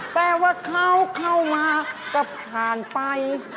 แต่ว่าเขาเข้ามาจะผ่านไป